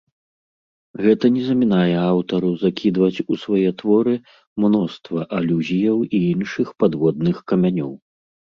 Гэта не замінае аўтару закідваць у свае творы мноства алюзіяў і іншых падводных камянёў.